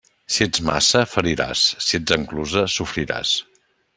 Si ets maça, feriràs; si ets enclusa, sofriràs.